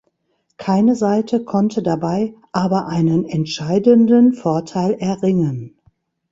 Keine Seite konnte dabei aber einen entscheidenden Vorteil erringen.